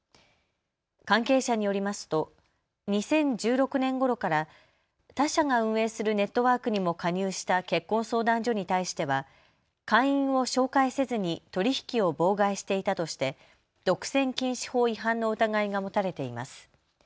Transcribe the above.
関係者によりますと２０１６年ごろから他社が運営するネットワークにも加入した結婚相談所に対しては会員を紹介せずに取り引きを妨害していたとして独占禁止法違反の疑いが持たれています。